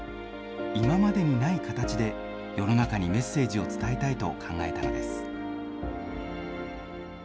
今までにない形で、世の中にメッセージを伝えたいと考えたのです。